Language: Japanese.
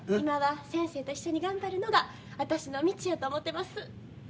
今は先生と一緒に頑張るのが私の道やと思てます。